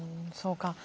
そうか。